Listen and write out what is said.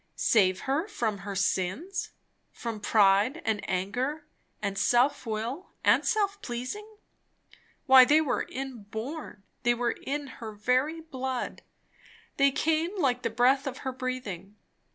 Save her from her sins? from pride and anger and self will and self pleasing? why, they were inborn; they were in her very blood; they came like the breath of her breathing.